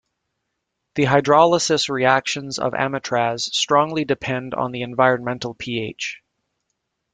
The hydrolysis reactions of amitraz strongly depend on the environmental pH.